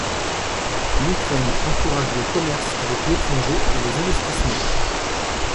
L'Ukraine encourage le commerce avec l'étranger et les investissements.